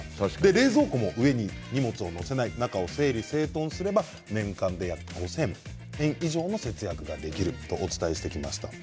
冷蔵庫の上に荷物を載せない中を整理整頓すれば年間で５２００円節約できるとお伝えしました。